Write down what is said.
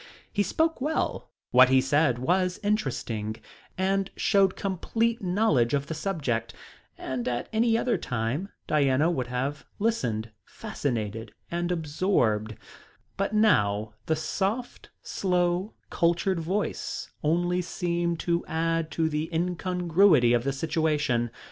He spoke well; what he said was interesting, and showed complete knowledge of the subject, and at any other time Diana would have listened fascinated and absorbed, but now the soft, slow, cultured voice only seemed to add to the incongruity of the situation.